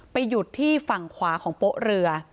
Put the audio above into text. หยุดที่ฝั่งขวาของโป๊ะเรือ